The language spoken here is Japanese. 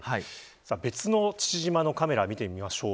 別の父島のカメラを見てみましょう。